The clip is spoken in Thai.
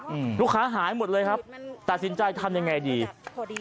อืมลูกค้าหายหมดเลยครับตัดสินใจทำยังไงดีพอดี